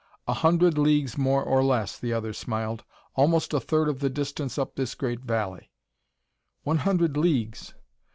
"A hundred leagues more or less," the other smiled. "Almost a third of the distance up this great valley." "One hundred leagues!